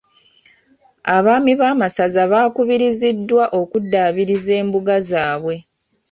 Abaami b'amasaza baakubiriziddwa okuddaabiriza embuga zaabwe.